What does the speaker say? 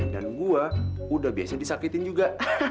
dan gue udah biasa disakitin juga